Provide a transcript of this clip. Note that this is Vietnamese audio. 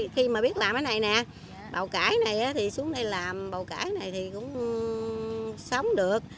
khi mà biết làm cái này nè bầu cải này thì xuống đây làm bầu cải này thì cũng sống được